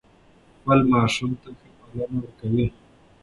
خپل ماشوم ته ښه پالنه ورکوي.